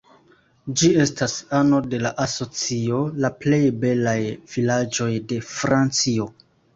Ĝi estas ano de la asocio La plej belaj vilaĝoj de Francio.